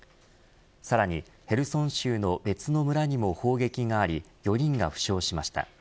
さらにヘルソン州の別の村にも砲撃があり４人が負傷しました。